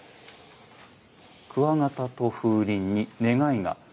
クワガタと風鈴に願いが。